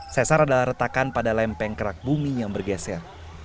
sesar adalah retakan pada lempeng kerak bumi yang bergeser